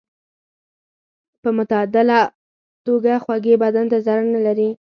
په معتدله توګه خوږې بدن ته ضرر نه لري.